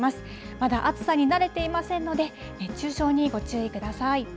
まだ暑さに慣れていませんので、熱中症にご注意ください。